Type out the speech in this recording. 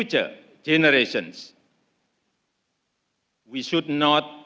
dan generasi generasi depan